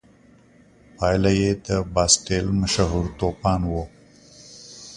پایله یې د باسټیل مشهور توپان و.